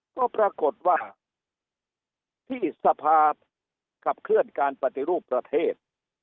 ก็ปรากฏว่าที่สภาขับเคลื่อนการปฏิรูปประเทศ